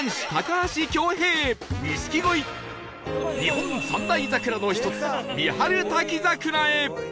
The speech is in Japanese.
日本三大桜の１つ三春滝桜へ